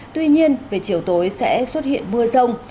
tuy nhiên về chiều tối sẽ xuất hiện mưa rông